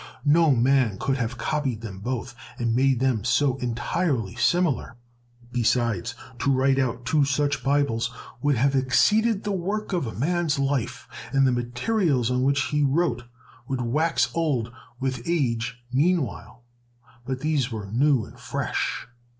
No man could have copied them both, and made them so entirely similar. Besides, to write out two such Bibles would have exceeded the work of a man's life; and the materials on which he wrote would wax old with age meanwhile, but these were new and fresh.